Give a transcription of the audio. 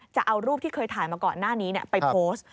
จะเอารูปที่เคยถ่ายมาก่อนหน้านี้ไปโพสต์